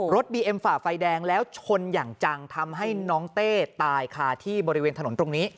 บีเอ็มฝ่าไฟแดงแล้วชนอย่างจังทำให้น้องเต้ตายคาที่บริเวณถนนตรงนี้